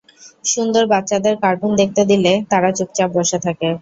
সুন্দর, বাচ্চাদের কার্টুন দেখতে দিলে, -তারা চুপচাপ বসে থাকে।